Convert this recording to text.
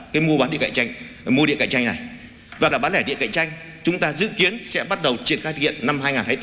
cái mua bán điện cạnh tranh mua điện cạnh tranh này và cả bán lẻ điện cạnh tranh chúng ta dự kiến sẽ bắt đầu triển khai thực hiện năm hai nghìn hai mươi bốn